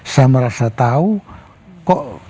saya merasa tahu kok